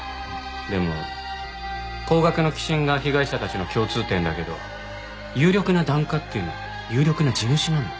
でも高額の寄進が被害者たちの共通点だけど有力な檀家っていうのは有力な地主なんだ。